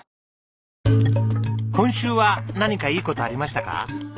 今週は何かいい事ありましたか？